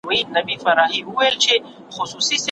د هېواد تاریخ باید له سره وڅېړل سي.